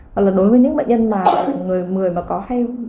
hoặc là đối với những bệnh nhân mà người mà có hay